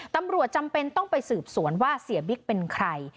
จำเป็นต้องไปสืบสวนว่าเสียบิ๊กเป็นใคร